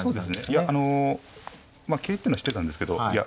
いやあの桂ってのは知ってたんですけどいや